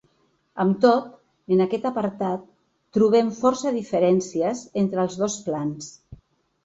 Amb tot, en aquest apartat, trobem força diferències entre els dos plans.